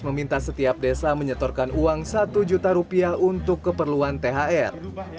meminta setiap desa menyetorkan uang satu juta rupiah untuk keperluan thr